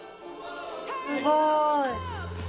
すごい！